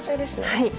はい。